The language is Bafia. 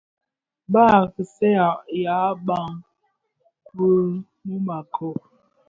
Baa (kisyea) yàa ban bì mum a kɔɔ.